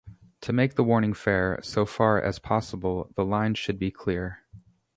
To make the warning fair, so far as possible the line should be clear.